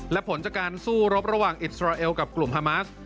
และผลจากการสู้รบระหว่างอิสราเอลกับกลุ่มฮามาส